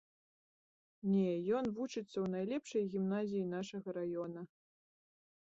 Не, ён вучыцца ў найлепшай гімназіі нашага раёна.